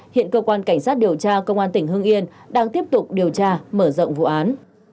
hiện cơ quan cảnh sát điều tra công an tỉnh hưng yên đang tiếp tục điều tra mở rộng vụ án